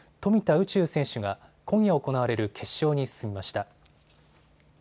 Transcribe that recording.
宇宙選手が今夜行われる決勝に進みました。